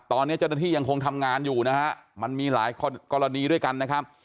ตอนนี้เจ้าหน้าที่ยังคงทำงานอยู่นะฮะมันมีหลายกรณีด้วยกันนะครับ